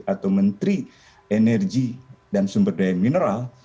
atau menteri energi dan sumber daya mineral